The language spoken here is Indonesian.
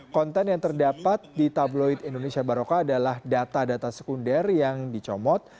konten yang terdapat di tabloid indonesia baroka adalah data data sekunder yang dicomot